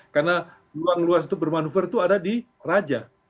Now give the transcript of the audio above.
karena ruang luas untuk bermanuver itu ada di raja